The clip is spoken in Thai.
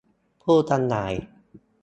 ผู้จำหน่าย